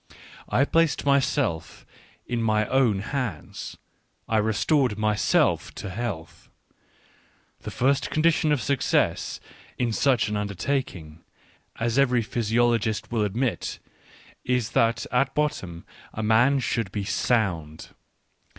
I placed myself in my own hands, I restored myself to health : the first con dition of success in such an undertaking, as every physiologist will admit, is that at bottom a man should be sound.